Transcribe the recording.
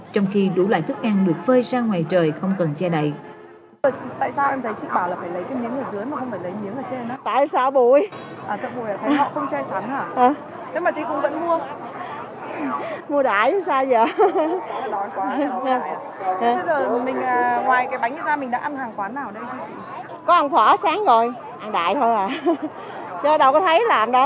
trong khi đủ loại thức ăn được phơi ra ngoài trời không cần che đậy